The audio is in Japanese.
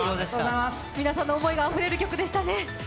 皆さんの思いがあふれる曲でしたね。